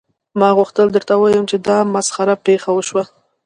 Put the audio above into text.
ما غوښتل درته ووایم چې دا مسخره پیښه وشوه